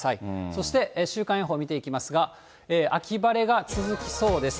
そして週間予報見ていきますが、秋晴れが続きそうです。